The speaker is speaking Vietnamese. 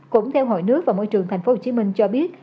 cũng theo hội nước và môi trường tp hcm cho biết